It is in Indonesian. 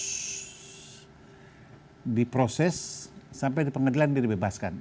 perbuatan terus diproses sampai di pengadilan dan dibebaskan